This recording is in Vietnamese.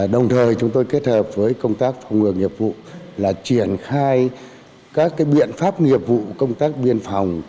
đồng thời chúng tôi kết hợp với công tác phòng ngừa nghiệp vụ là triển khai các biện pháp nghiệp vụ công tác biên phòng